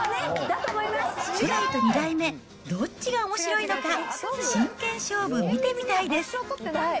初代と２代目、どっちがおもしろいのか、真剣勝負見てみたいです。